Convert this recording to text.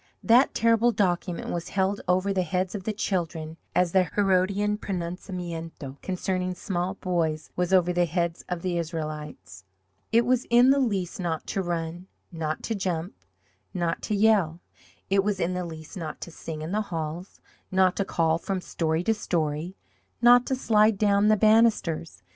That terrible document was held over the heads of the children as the Herodian pronunciamento concerning small boys was over the heads of the Israelites. It was in the Lease not to run not to jump not to yell. It was in the Lease not to sing in the halls, not to call from story to story, not to slide down the banisters.